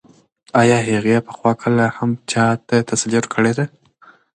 ایا هغې پخوا کله هم چا ته تسلي ورکړې ده؟